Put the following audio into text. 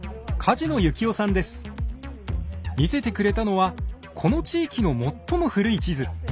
見せてくれたのはこの地域の最も古い地図。